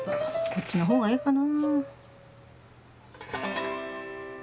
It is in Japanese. こっちの方がええかな。